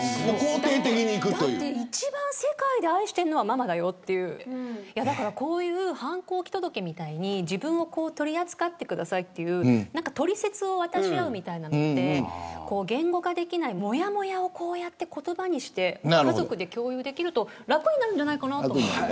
だって一番世界で愛しているのはママだよっていうこういう反抗期届みたいに自分を取り扱ってくださいという取説を渡しあうみたいなのって言語化できないもやもやを言葉にして家族で共有できると楽になるんじゃないかなと思います。